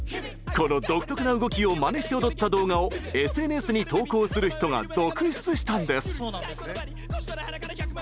この独特な動きをまねして踊った動画をＳＮＳに投稿する人が続出したんです。